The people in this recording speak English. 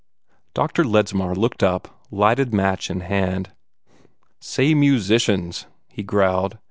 Dr. Ledsmar looked up, lighted match in hand. "Say musicians!" he growled.